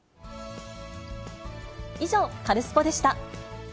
以上、カルスポっ！でした。